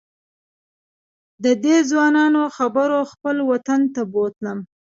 ددې ځوانانو خبرو خپل وطن ته بوتلم.